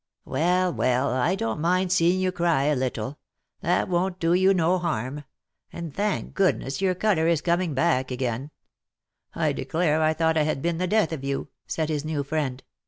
" Well, well, I don't mind seeing you cry a little — that won't do you no harm ; and thank goodness your colour is coming back again I I declare I thought I had been the death of you," said his new friend.